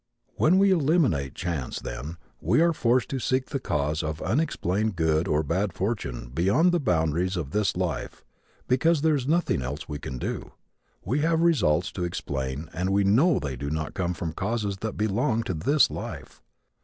When we eliminate chance, then, we are forced to seek the cause of unexplained good or bad fortune beyond the boundaries of this life because there is nothing else we can do. We have results to explain and we know they do not come from causes that belong to this life.